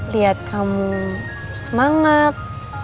liat kamu semangat